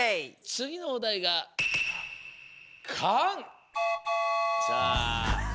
つぎのおだいが。さあ。